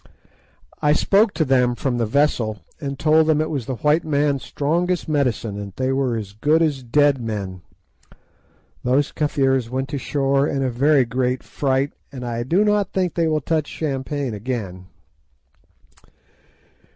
I spoke to them from the vessel, and told them it was the white man's strongest medicine, and that they were as good as dead men. Those Kafirs went to the shore in a very great fright, and I do not think that they will touch champagne again.